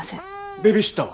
ベビーシッターは？